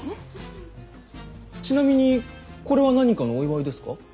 ちなみにこれは何かのお祝いですか？